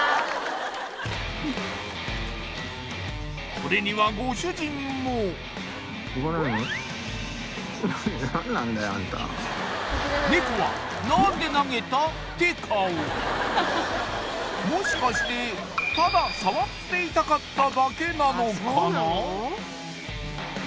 これにはご主人もアンタネコは「何で投げた？」って顔もしかしてただ触っていたかっただけなのかな？